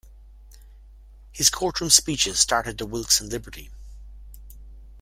His courtroom speeches started the Wilkes and Liberty!